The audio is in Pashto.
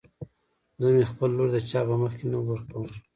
زه مې خپله لور د چا په مخکې نه ورکم.